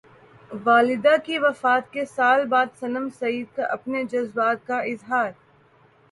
والدہ کی وفات کے سال بعد صنم سعید کا اپنے جذبات کا اظہار